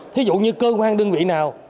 thí dụ như cơ quan đơn vị nào